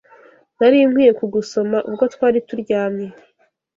Nari nkwiye kugusoma ubwo twari turyamye